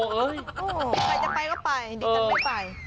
ใครจะไปก็ไปเดี๋ยวกันจะไม่ไป